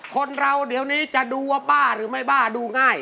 คนเราเดี๋ยวนี้จะดูว่าบ้าหรือไม่บ้าดูง่าย